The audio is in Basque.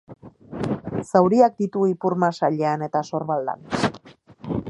Zauriak ditu ipurmasailean eta sorbaldan.